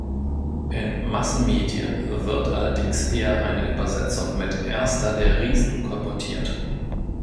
In Massenmedien wird allerdings eher eine Übersetzung mit „Erster der Riesen“ kolportiert.